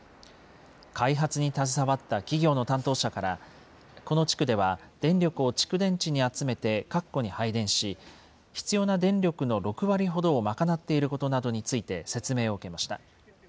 開発に携わった企業の担当者から、この地区では電力を蓄電池に集めて各戸に配電し、必要な電力の６割ほどを賄っていることなどについて説明を受けました。